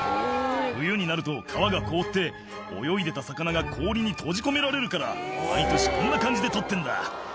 「冬になると川が凍って泳いでた魚が氷に閉じ込められるから毎年こんな感じで取ってんだ」